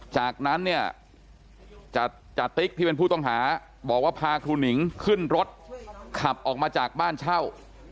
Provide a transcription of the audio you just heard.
จากนั้นเนี่ยจติ๊กที่เป็นผู้ต้องหาบอกว่าพาครูหนิงขึ้นรถขับออกมาจากบ้านเช่า